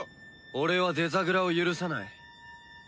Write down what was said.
俺はデザグラを許さない。